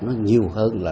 nó nhiều hơn là